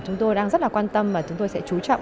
chúng tôi đang rất là quan tâm và chúng tôi sẽ chú trọng